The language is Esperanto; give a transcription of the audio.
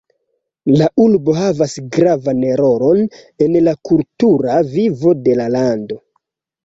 La urbo havas gravan rolon en la kultura vivo de la lando.